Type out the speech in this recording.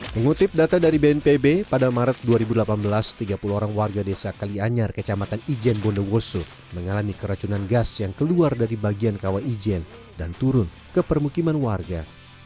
mengutip data dari bnpb pada maret dua ribu delapan belas tiga puluh orang warga desa kalianyar kecamatan ijen bondowoso mengalami keracunan gas yang keluar dari bagian kawah ijen dan turun ke permukiman warga